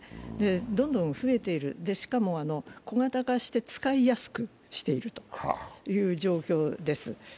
どんどん増えている、しかも小型化して使いやすくしているという状況です。